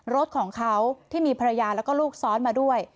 รถของเขาที่มีภรรยาแล้วก็ลูกซ้อนมาด้วย